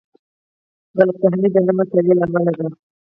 غلط فهمۍ د نه مطالعې له امله دي.